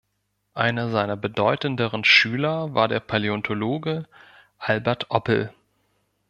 Einer seiner bedeutenderen Schüler war der Paläontologe Albert Oppel.